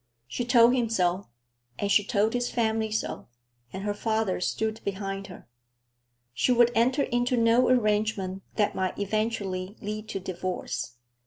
She told him so, and she told his family so, and her father stood behind her. She would enter into no arrangement that might eventually lead to divorce.